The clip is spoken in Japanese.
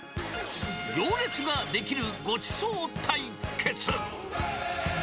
行列が出来るごちそう対決。